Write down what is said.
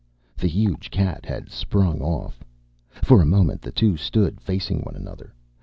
The huge cat had sprung off. For a moment, the two stood facing one another.